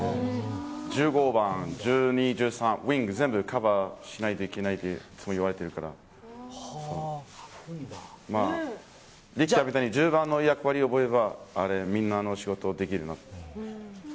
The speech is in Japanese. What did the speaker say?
１５番、１２、１３、ウイング全部カバーしないといけないと言われているから、力也みたいに１０番の役割を覚えれば、みんなの仕事ができる。